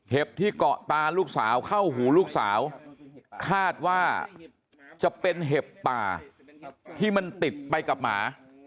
ที่เกาะตาลูกสาวเข้าหูลูกสาวคาดว่าจะเป็นเห็บป่าที่มันติดไปกับหมา